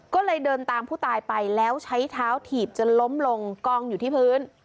ก็เลยเดินตามผู้ตายไปแล้วใช้เท้าถีบจนล้มลงกองอยู่ที่พื้น